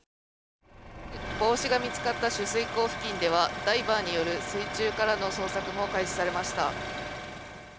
帽子が見つかった取水口付近ではダイバーによる水中からの捜索も開始されました。